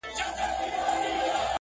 له تش چمن او لاله زار سره مي نه لګیږي،